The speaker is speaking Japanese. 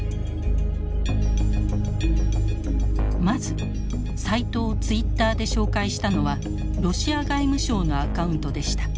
まずサイトをツイッターで紹介したのはロシア外務省のアカウントでした。